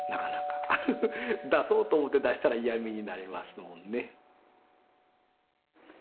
出そうと思って出したら嫌みになりますもんね。